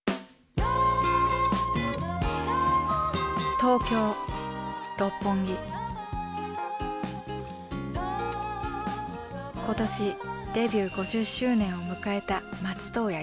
今年デビュー５０周年を迎えた松任谷由実。